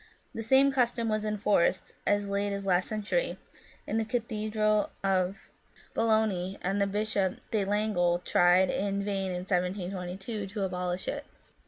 The same custom was in force, as late as last century, in the cathedral of Boulogne, and the bishop, De Langle, tried in vain in 1722 to abolish it.